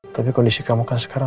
tapi kondisi kamu kan sekarang